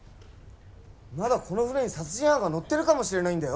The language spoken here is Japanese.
まだこの船に殺人犯が乗ってるかもしれないんだよ。